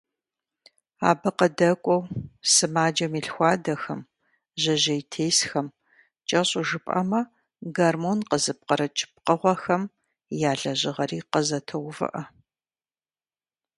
Абы къыдэкӀуэу, сымаджэм и лъхуадэхэм, жьэжьейтесхэм, кӀэщӀу жыпӀэмэ, гормон къызыпкърыкӀ пкъыгъуэхэм я лэжьыгъэри къызэтоувыӀэ.